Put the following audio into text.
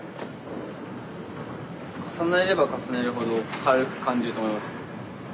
重ねれば重ねるほど軽く感じると思います。